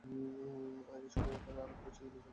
এ সময়ে তার আরো কয়েকটি ছেলে-মেয়ে জন্মলাভ করে।